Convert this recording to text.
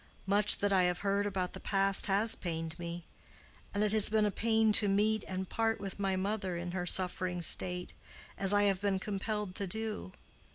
Much that I have heard about the past has pained me. And it has been a pain to meet and part with my mother in her suffering state, as I have been compelled to do.